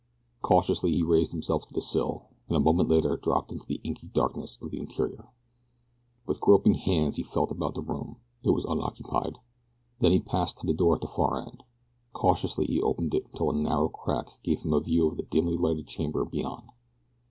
Cautiously he raised himself to the sill, and a moment later dropped into the inky darkness of the interior. With groping hands he felt about the room it was unoccupied. Then he passed to the door at the far end. Cautiously he opened it until a narrow crack gave him a view of the dimly lighted chamber beyond.